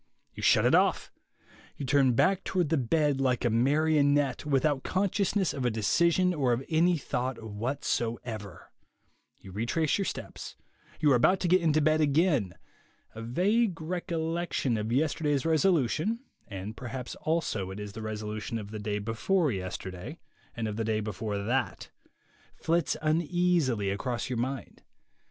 You shut it off. You turn back toward the bed, like a marionette, with out consciousness of a decision or of any thought whatever; you retrace your steps; you are about to get into bed again; a vague recollection of yes terday's resolution (and perhaps also it is the resolution of the day before yesterday and of the THE WAY TO WILL POWER 35 day before that) flits uneasily across your mind.